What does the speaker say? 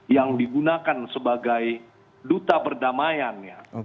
yang digunakan sebagai duta berdamaiannya